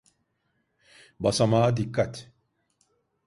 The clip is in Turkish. Basamağa dikkat.